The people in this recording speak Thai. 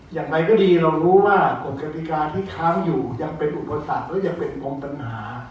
อย่างไรก็ดีเรารู้ว่ากฎกติกาที่ค้างอยู่ยังเป็นอุปสรรคหรือยังเป็นปมปัญหา